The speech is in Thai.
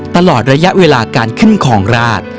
ตลอดระยะเวลาการขึ้นคลองราช